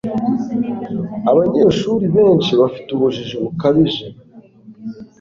Abanyeshuri benshi bafite ubujiji bukabije